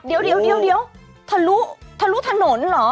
เดี๋ยวทะลุทะลุถนนเหรอ